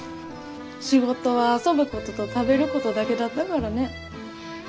仕事は遊ぶことと食べることだけだったからねぇ。